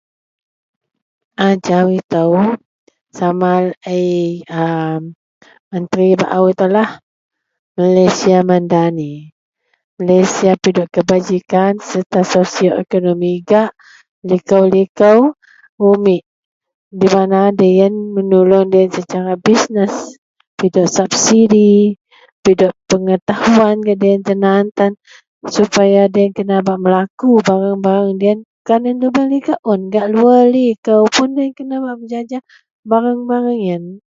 ajau itou sama laie a menteri baau itoulah, Malaysia madani, Malaysia pidok kebajikan serta sosio ekonomi gak liko-liko umik, bila nga deloyien menulung deloyien secara bisness, pidok subsidi, pidok pengetahuan gak deloyien tan aan tan supaya deloyien kena bak melaku barang-barang deloyien, bukan gak lubeang liko un , gak luar liko pun deloyien kena bak pejaja barang-barang ien